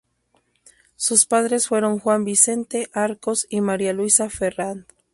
Sus padres fueron Juan Vicente Arcos y María Luisa Ferrand.